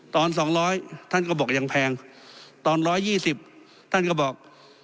ตอน๒๐๐ท่านก็บอกยังแพงตอน๑๒๐ท่านก็บอก